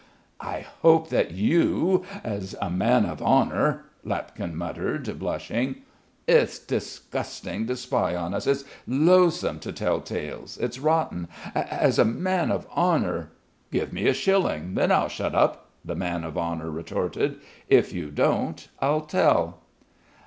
"I hope that you as a man of honour," Lapkin muttered, blushing. "It's disgusting to spy on us, it's loathsome to tell tales, it's rotten. As a man of honour...." "Give me a shilling, then I'll shut up!" the man of honour retorted. "If you don't, I'll tell."